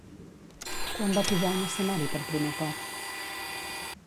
Quan va pujar a un escenari per primer cop?